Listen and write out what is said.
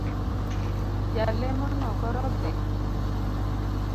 Jalemono koro dhii.